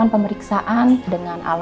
anda terus saja dihitung dari sandalsya